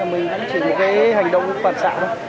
mình chỉ là một cái hành động hoàn sản thôi